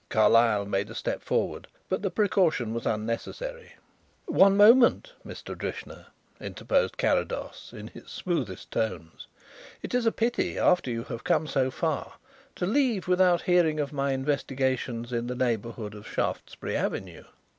Carlyle made a step forward, but the precaution was unnecessary. "One moment, Mr. Drishna," interposed Carrados, in his smoothest tones. "It is a pity, after you have come so far, to leave without hearing of my investigations in the neighbourhood of Shaftesbury Avenue."